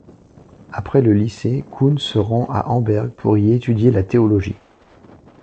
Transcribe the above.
Après le lycée, Kunz se rend à Amberg pour y étudier la théologie.